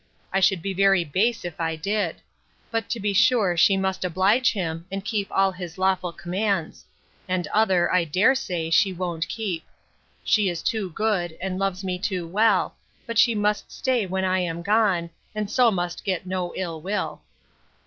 I should be very base if I did. But to be sure she must oblige him, and keep all his lawful commands; and other, I dare say, she won't keep: She is too good; and loves me too well; but she must stay when I am gone, and so must get no ill will.